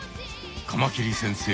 カマキリ先生